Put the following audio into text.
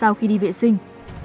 sau khi đi vệ sinh